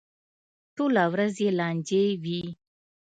ټوله ورځ یې لانجې وي.